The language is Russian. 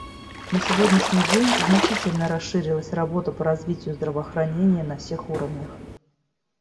На сегодняшний день значительно расширилась работа по развитию здравоохранения на всех уровнях.